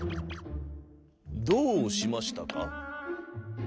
「どうしましたか？」。